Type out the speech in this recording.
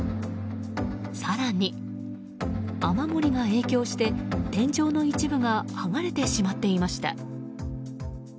更に、雨漏りが影響して天井の一部が剥がれてしまっていました。